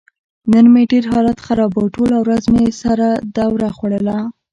نن مې ډېر حالت خراب و. ټوله ورځ مې سره دوره خوړله.